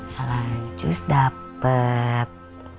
kalau njus dapet